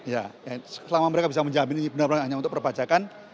ya selama mereka bisa menjamin ini benar benar hanya untuk perpajakan